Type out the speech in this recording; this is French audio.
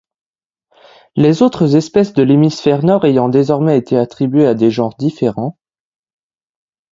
Les autres espèces de l'hémisphère nord ayant désormais été attribués à des genres différents.